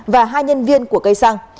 và hai nhân viên của cây xăng